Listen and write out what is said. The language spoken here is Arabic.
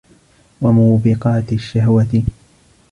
وَمُوبِقَاتِ الشَّهْوَةِ